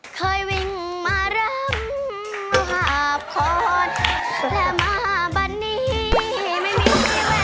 เคยวิ่งมารับมหาพลและมาบันนี้ไม่มีที่แวว